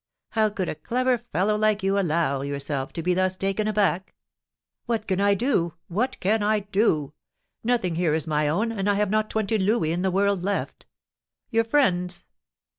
How could a clever fellow like you allow yourself to be thus taken aback?" "What can I do? What can I do? Nothing here is my own, and I have not twenty louis in the world left." "Your friends?"